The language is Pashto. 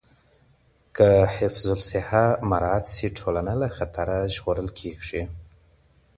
که حفظ الصحه مراعت شي، ټولنه له خطره ژغورل کېږي.